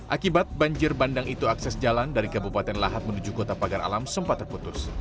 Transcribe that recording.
akibat banjir bandang itu akses jalan dari kabupaten lahat menuju kota pagar alam sempat terputus